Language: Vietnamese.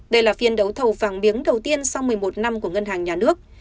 đây là phiên đấu thầu vàng miếng đầu tiên sau một mươi một năm của ngân hàng nhà nước